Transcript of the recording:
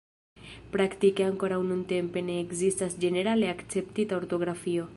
Praktike ankoraŭ nuntempe ne ekzistas ĝenerale akceptita ortografio.